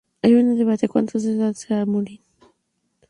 Hay un debate en cuanto a su edad real al morir.